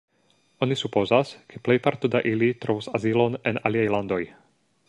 Oni supozas, ke plejparto da ili trovos azilon en aliaj landoj.